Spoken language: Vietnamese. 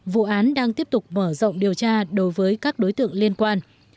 vụ án đang tiếp tục mở rộng điều tra đối với các đối tượng liên quan